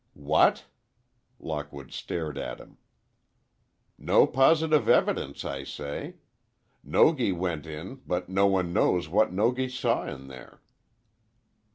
"What!" Lockwood stared at him. "No positive evidence, I say. Nogi went in, but no one knows what Nogi saw in there."